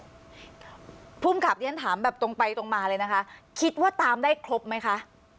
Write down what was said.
ครับพุ่มขับเนี่ยถามแบบตรงไปตรงมาเลยนะคะคิดว่าตามได้ครบไหมคะ